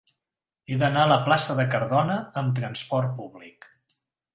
He d'anar a la plaça de Cardona amb trasport públic.